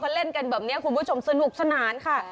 เล่นกันแบบนี้คุณผู้ชมสนุกสนานค่ะ